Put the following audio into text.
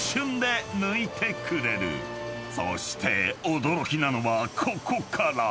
［そして驚きなのはここから］